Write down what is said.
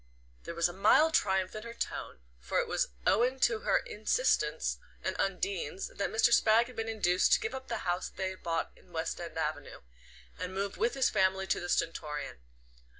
There was a mild triumph in her tone, for it was owing to her insistence and Undine's that Mr. Spragg had been induced to give up the house they had bought in West End Avenue, and move with his family to the Stentorian.